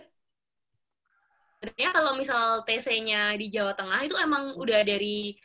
sebenarnya kalau misal tc nya di jawa tengah itu emang udah dari